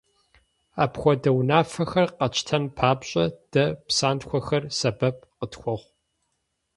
Апхуэдэ унафэхэр къэтщтэн папщӀэ, дэ псантхуэхэр сэбэп къытхуохъу.